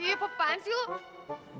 ih apaan sih lu